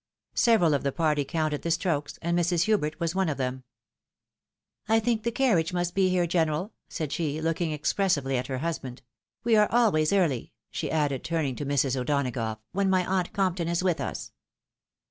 Seve ral of the party counted the strokes, and Mrs. Hubert was one of them. " I think the carriage must be here, general," said she, looking expressively at her. husband; "we are always early," she added, turning to Mrs. O'Donagough, "when my aunt Compton is with us."